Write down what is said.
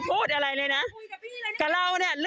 พระนองสาวไม่พูดอดทนนะ